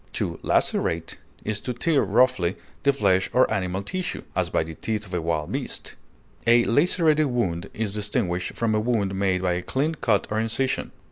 To lacerate is to tear roughly the flesh or animal tissue, as by the teeth of a wild beast; a lacerated wound is distinguished from a wound made by a clean cut or incision.